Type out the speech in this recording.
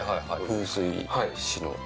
風水師の。